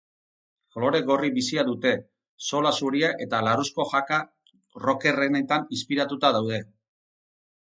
Kolore gorri bizia dute, zola zuria eta larruzko jaka rockerrenetan inspiratuta daude.